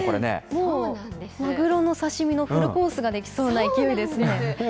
もうマグロの刺身のフルコースが出来そうな勢いですね。